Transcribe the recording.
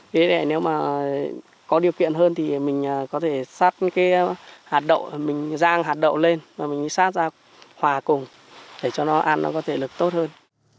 thế là nếu mà có điều kiện hơn thì mình có thể sát cái hạt đậu mình rang hạt đậu lên và mình sát ra hòa cùng để cho nó ăn nó có thể lực tốt hơn